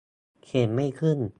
เข็นไม่ขึ้น